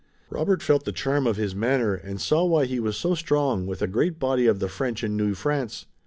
Robert felt the charm of his manner and saw why he was so strong with a great body of the French in New France.